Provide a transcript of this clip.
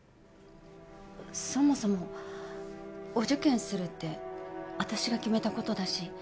そもそもお受験するって私が決めたことだし。